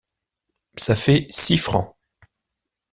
Ça fait six francs.